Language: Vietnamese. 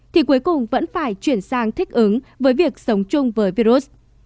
thì cuối cùng vẫn phải chuyển sang thích ứng với việc sống chung với virus